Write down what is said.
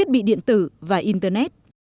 tử và internet